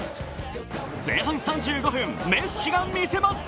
前半３５分、メッシが見せます。